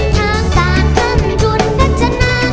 ทางต่างขึ้นจุดแพร่ชนะ